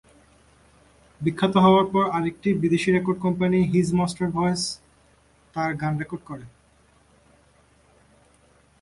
বিখ্যাত হওয়ার পর আরেকটি বিদেশি record company ‘his master's voice’ তার গান রেকর্ড করে।